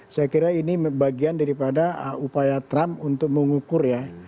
saya kira ini bagian daripada upaya trump untuk mengukur ya